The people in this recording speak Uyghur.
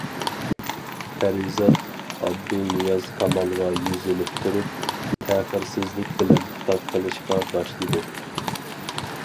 پەرىزات ئابدۇنىياز كامالغا يۈزلىنىپ تۇرۇپ تەخىرسىزلىك بىلەن خىتاب قىلىشقا باشلىدى.